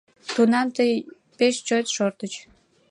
— Тунам тый пеш чот шортыч.